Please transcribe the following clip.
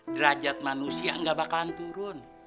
derajat manusia gak bakalan turun